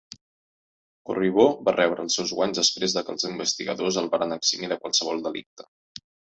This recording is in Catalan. Corriveau va rebre els seus guanys després de que els investigadors el varen eximir de qualsevol delicte.